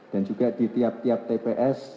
dan juga di tiap tiap tps